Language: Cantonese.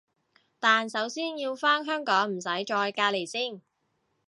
但首先要返香港唔使再隔離先